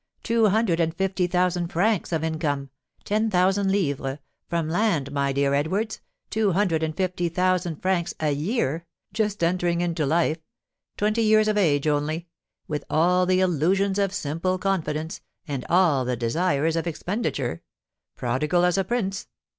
Two hundred and fifty thousand livres of income (10,000_l._) from land, my dear Edwards, two hundred and fifty thousand livres a year, just entering into life, twenty years of age only, with all the illusions of simple confidence, and all the desires of expenditure, prodigal as a prince.